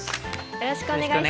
よろしくお願いします。